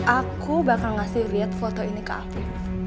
aku bakal ngasih lihat foto ini ke aku